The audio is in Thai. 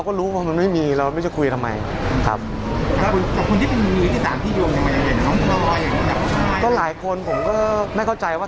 ก็หลายคนผมก็ไม่เข้าใจว่า